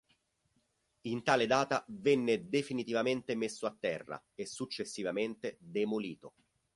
In tale data venne definitivamente messo a terra e successivamente demolito.